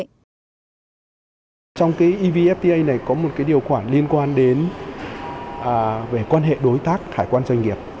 trong evfta này có một điều khoản liên quan đến quan hệ đối tác hải quan doanh nghiệp